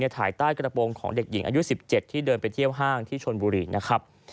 ที่เดินไปเที่ยวห้างที่ชนบุรีนะครับ